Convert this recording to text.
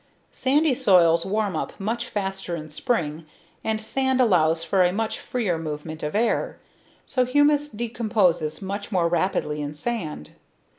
Sandy soils warm up much faster in spring and sand allows for a much freer movement of air, so humus decomposes much more rapidly in sand.